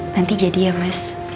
nanti jadi ya mas